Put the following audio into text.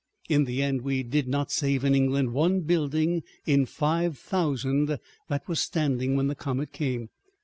In the end we did not save in England one building in five thousand that was standing when the comet came.